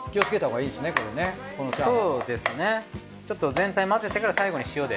全体混ぜてから最後に塩で。